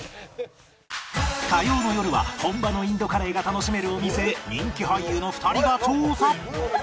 火曜のよるは本場のインドカレーが楽しめるお店へ人気俳優の２人が調査！